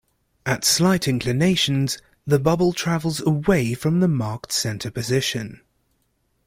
At slight inclinations the bubble travels away from the marked center position.